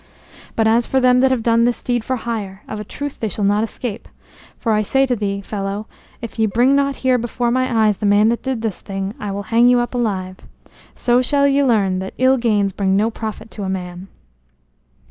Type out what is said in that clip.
But as for them that have done this deed for hire, of a truth they shall not escape, for I say to thee, fellow, if ye bring not here before my eyes the man that did this thing, I will hang you up alive. So shall ye learn that ill gains bring no profit to a man."